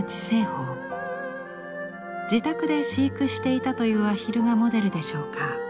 自宅で飼育していたというアヒルがモデルでしょうか？